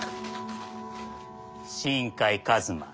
新海一馬。